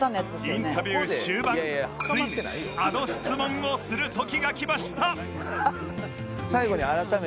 インタビュー終盤ついにあの質問をする時がきました